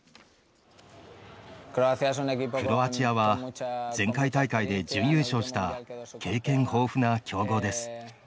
クロアチアは前回大会で準優勝した経験豊富な強豪です。